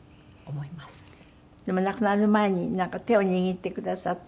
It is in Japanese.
でも亡くなる前になんか手を握ってくださった？